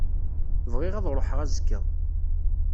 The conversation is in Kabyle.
Bɣiɣ ad ṛuḥeɣ azekka.